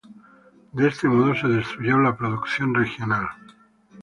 De este modo se destruyó la producción regional.